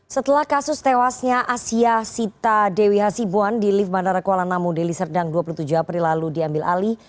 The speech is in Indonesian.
setelah kasus tewasnya asia sita dewi hasibuan di lift bandara kuala namu deli serdang dua puluh tujuh april lalu diambil alih